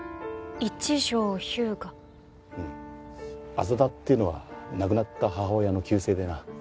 朝田っていうのは亡くなった母親の旧姓でな。